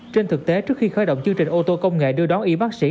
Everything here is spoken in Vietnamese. trên thực tế trước khi khởi động chương trình ô tô công nghệ đưa đón y bác sĩ